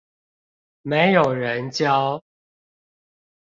沒有人教